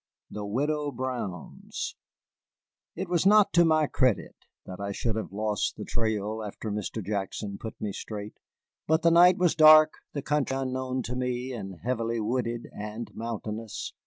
THE WIDOW BROWN'S It was not to my credit that I should have lost the trail, after Mr. Jackson put me straight. But the night was dark, the country unknown to me, and heavily wooded and mountainous.